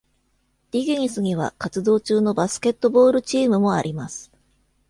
ディゲニスには活動中のバスケットボールチームもあります。